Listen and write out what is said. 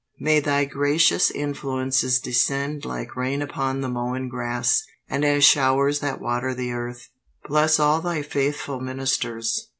May Thy gracious influences descend like rain upon the mown grass, and as showers that water the earth. Bless all Thy faithful ministers.